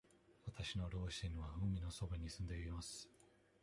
わたしの両親は海のそばに住んでいます。